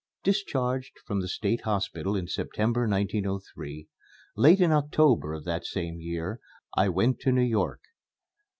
Discharged from the State Hospital in September, 1903, late in October of that same year I went to New York.